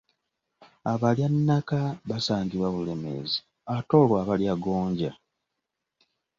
Abalyannaka basangibwa Bulemeezi, ate olwo Abalyagonja?